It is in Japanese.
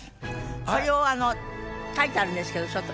これを書いてあるんですけどちょっと。